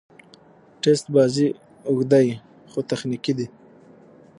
ټېسټ بازي اوږدې يي، خو تخنیکي دي.